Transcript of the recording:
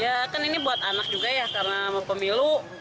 ya kan ini buat anak juga ya karena mau pemilu